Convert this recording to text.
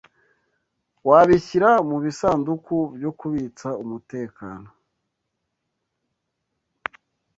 Wabishyira mubisanduku byo kubitsa umutekano?